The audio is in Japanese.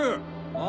あ？